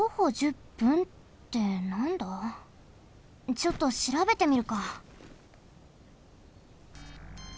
ちょっとしらべてみるか。